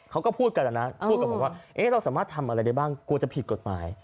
เขาก็พูดกันนะนะพูดกับผมว่าเราสามารถทำอะไรได้บ้างกลัวจะผิดกฎหมาย